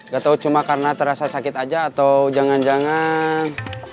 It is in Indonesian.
gak tau cuma karena terasa sakit aja atau jangan jangan